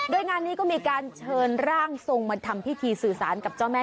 โดยงานนี้ก็มีการเชิญร่างทรงมาทำพิธีสื่อสารกับเจ้าแม่